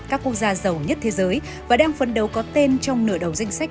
các quốc gia giàu nhất thế giới và đang phấn đấu có tên trong nửa đầu danh sách